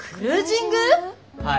はい。